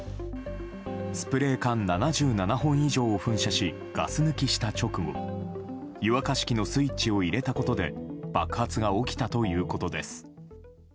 スプレー缶７７本以上を噴射しガス抜きした直後湯沸かし器のスイッチを入れたことで爆発が起きたということです。